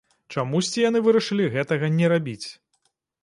Чамусьці яны вырашылі гэтага не рабіць.